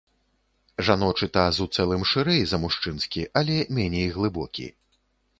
Жаночы таз ў цэлым шырэй за мужчынскі, але меней глыбокі.